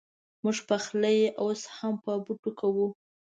مونږ پخلی اوس هم په بوټو کوو